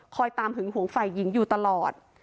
ตามหึงหวงฝ่ายหญิงอยู่ตลอด